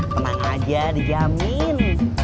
tenang aja dijamin